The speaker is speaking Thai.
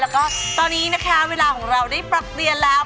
แล้วก็ตอนนี้นะคะเวลาของเราได้ปรับเปลี่ยนแล้ว